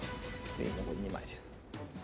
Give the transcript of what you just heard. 残り２枚です。